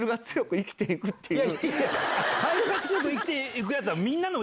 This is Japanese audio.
カエルが強く生きていくやつは。